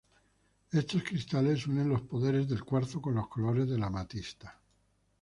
Estos cristales unen los poderes del cuarzo con los colores de la amatista.